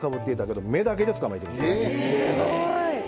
すごい！